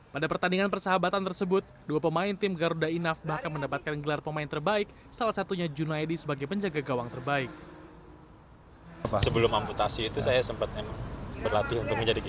pada pertandingan persahabatan tersebut dua pemain tim garuda enough bahkan mendapatkan gelar pemain terbaik salah satunya junaedi sebagai penjaga gawang terbaik